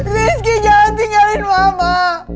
rizky jangan tinggalin mama